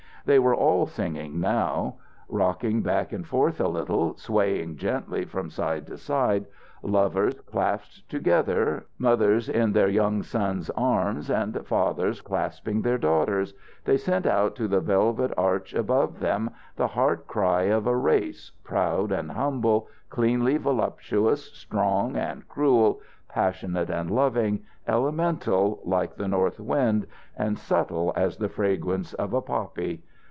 They were all singing now. Rocking back and forth a little, swaying gently from side to side, lovers clasped together, mothers in their young sons' arms, and fathers clasping their daughters, they sent out to the velvet arch above them the heart cry of a race, proud and humble, cleanly voluptuous, strong and cruel, passionate and loving, elemental like the north wind and subtle as the fragrance of the poppy.